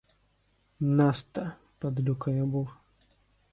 Насте, падлюка я був!